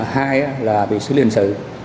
hai là bị xử lý hình sự